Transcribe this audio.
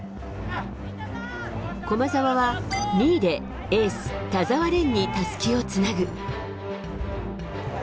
駒澤は２位でエース、田澤廉にたすきをつなぐ。